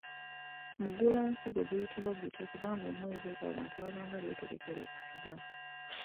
Mugulansigo guyitibwa gutyo kubanga omwezi ogwo abantu baabanga beetegekera okusiga.